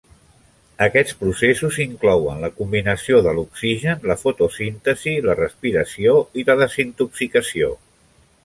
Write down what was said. Aquests processos inclouen la combinació de l'oxigen, la fotosíntesi, la respiració i la desintoxicació.